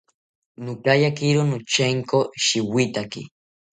Nokayakiro notyenko shiwithaki